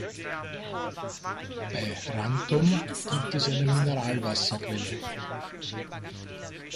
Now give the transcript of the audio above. Bei Rantum gibt es eine Mineralwasserquelle.